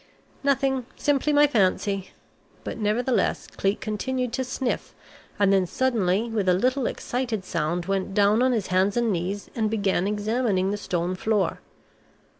"Nothing, simply my fancy." But, nevertheless, Cleek continued to sniff, and then suddenly with a little excited sound went down on his hands and knees and began examining the stone floor.